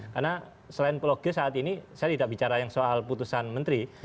karena selain pulau g saat ini saya tidak bicara yang soal putusan menteri